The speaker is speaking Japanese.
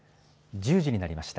１０時になりました。